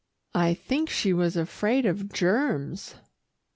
I think she was afraid of germs.